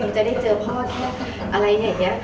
จะได้เจอพ่อที่อะไรอย่างนี้